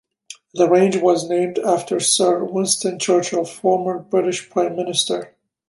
The range was named after Sir Winston Churchill, former British prime minister.